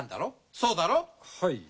そうだろ？はい。